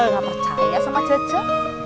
gak percaya sama cece